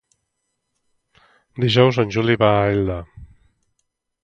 Dijous en Juli va a Elda.